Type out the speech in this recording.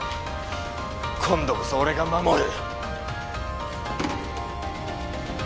今度こそ俺が守る！